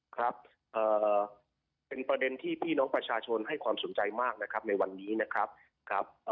ครับเป็นประเด็นที่พี่น้องประชาชนให้ความสนใจมากนะครับในวันนี้นะครับ